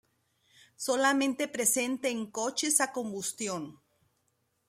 Solamente presente en coches a combustión.